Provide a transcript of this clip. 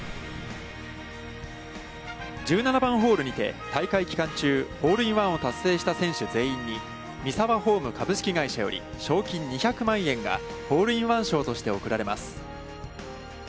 １７番ホールにて大会期間中ホールインワンを達成した選手全員にミサワホーム株式会社より賞金２００万円がホールインワン賞として贈られます。